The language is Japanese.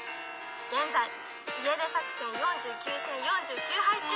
「現在家出作戦４９戦４９敗中！」